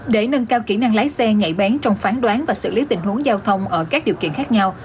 để nâng cao kỹ năng lái xe nhạy bén trong phán đoán và xử lý tình huống giao thông ở các điều kiện khác nhau